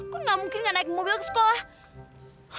kok tidak mungkin tidak naik mobil ke sekolah